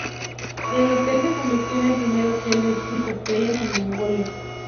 El hotel se convirtió en el primer hotel de cinco estrellas en Mongolia.